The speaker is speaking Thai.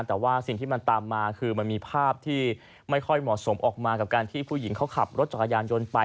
แต่ว่าสิ่งที่มันตามมาคือมันมีภาพที่ไม่ค่อยเหมาะสมออกมากับการที่ผู้หญิงเขาขับรถจักรยานยนต์ไป